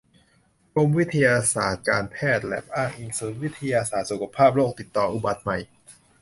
กรมวิทยาศาสตร์การแพทย์ แล็บอ้างอิง ศูนย์วิทยาศาสตร์สุขภาพโรคติดต่ออุบัติใหม่